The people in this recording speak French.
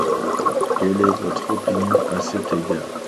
Quelle est votre opinion à cet égard